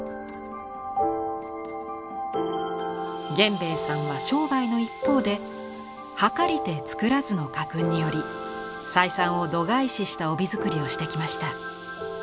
源兵衛さんは商売の一方で計りて作らずの家訓により採算を度外視した帯づくりをしてきました。